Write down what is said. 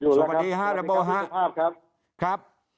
คุณก็พูดแบบครับ